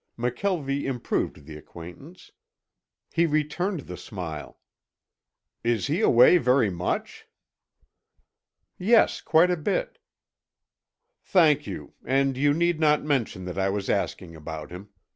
McKelvie improved the acquaintance. He returned the smile. "Is he away very much?" "Yes, quite a bit." "Thank you, and you need not mention that I was asking about him.